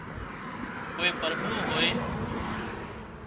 ڪوئي پرٻلُون هوئي